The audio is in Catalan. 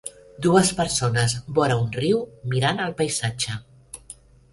Dues persones vora un riu mirant el paisatge.